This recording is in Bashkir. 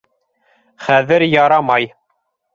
Хәҙер ярамай.